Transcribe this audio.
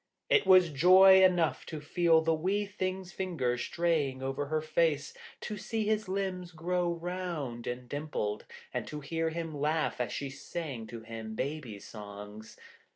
It was joy enough to feel the wee thing's fingers straying over her face, to see his limbs grow round and dimpled, and to hear him laugh as she sang to him baby songs.